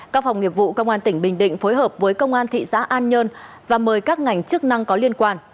các phòng nghiệp vụ công an tỉnh bình định phối hợp với công an thị xã an nhơn và mời các ngành chức năng có liên quan